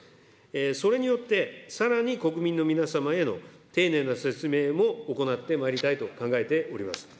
それによって、さらに国民の皆様への丁寧な説明も行ってまいりたいと考えております。